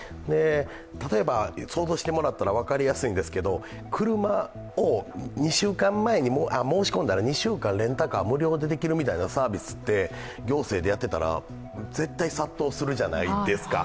例えば想像してもらったら分かりやすいんですけど申し込んだら２週間レンタカー、無料でできるみたいなサービスを行政でやってたら絶対殺到するじゃないですか。